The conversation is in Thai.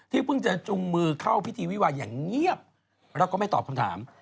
เพิ่งจะจุงมือเข้าพิธีวิวาอย่างเงียบแล้วก็ไม่ตอบคำถาม